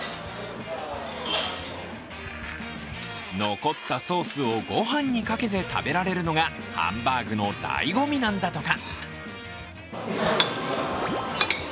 残ったソースをご飯にかけて食べられるのがハンバーグのだいご味なんだとか。